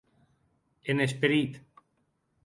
En esperit.